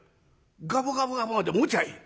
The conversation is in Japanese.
ガブガブガブまでもちゃいい。